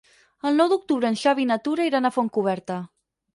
El nou d'octubre en Xavi i na Tura iran a Fontcoberta.